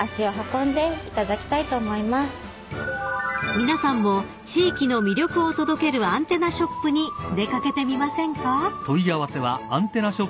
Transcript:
［皆さんも地域の魅力を届けるアンテナショップに出掛けてみませんか］